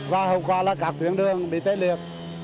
và hậu quả là các tuyến đường bị tê liệt